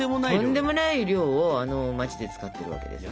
とんでもない量をあの街で使っているわけですね。